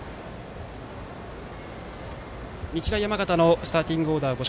日大山形のスターティングオーダーです。